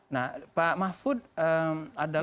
nah pak mahfud adalah